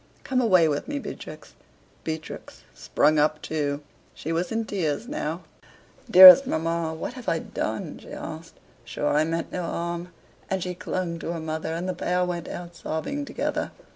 "Come away with me, Beatrix." Beatrix sprung up too; she was in tears now. "Dearest mamma, what have I done?" she asked. "Sure I meant no harm." And she clung to her mother, and the pair went out sobbing together.